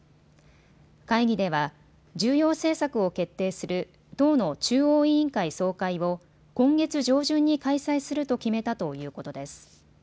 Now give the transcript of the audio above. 会議では重要政策を決定する党の中央委員会総会を今月上旬に開催すると決めたということです。